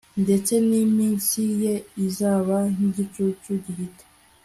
ndetse n'iminsi ye izaba nk'igicucu gihita